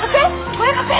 これ確変！？